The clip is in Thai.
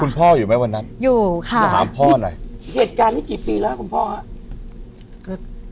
พ่ออยู่ไหมวันนั้นอยู่ค่ะถามพ่อหน่อยเหตุการณ์นี้กี่ปีแล้วคุณพ่อครับ